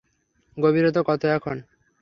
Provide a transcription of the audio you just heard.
গভীরতা কত এখন?